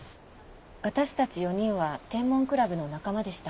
私たち４人は天文クラブの仲間でした。